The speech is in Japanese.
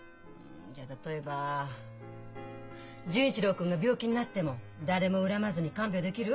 例えば純一郎君が病気になっても誰も恨まずに看病できる？